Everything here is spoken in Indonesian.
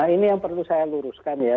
ini yang perlu saya luruskan ya